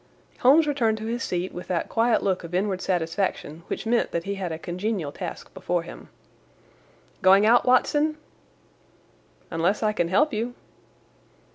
Holmes returned to his seat with that quiet look of inward satisfaction which meant that he had a congenial task before him. "Going out, Watson?" "Unless I can help you."